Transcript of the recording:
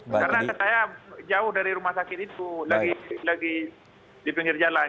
karena saya jauh dari rumah sakit itu lagi di pinggir jalan